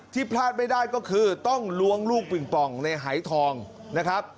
พลาดไม่ได้ก็คือต้องล้วงลูกปิงปองในหายทองนะครับ